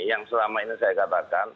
yang selama ini saya katakan